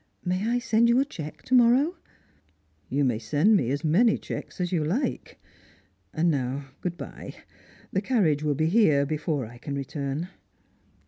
May I send you a cheque to morrow ?"" You may send me as many cheques as you like. And now, good bye. The carriage will be here before I can return."